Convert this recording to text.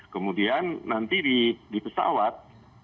kemudian nanti di pesawat